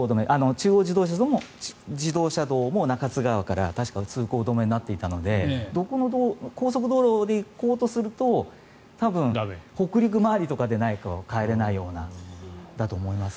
中央自動車道も中津川から確か、通行止めになっていたので高速道路で行こうとすると多分、北陸回りとかでないと帰れないと思います。